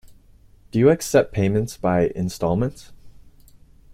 Do you accept payment by instalments?